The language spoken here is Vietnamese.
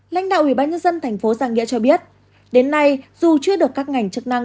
lãnh đạo ủy ban nhân dân thành phố giang nghĩa cho biết đến nay dù chưa được các ngành chức năng